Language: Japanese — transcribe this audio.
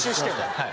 はい。